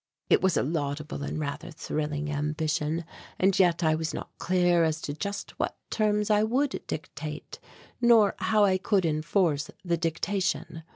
It was a laudable and rather thrilling ambition, and yet I was not clear as to just what terms I would dictate, nor how I could enforce the dictation.